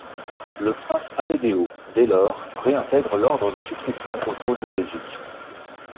Le prince Amedeo, dès lors, réintègre l'ordre de succession au trône de Belgique.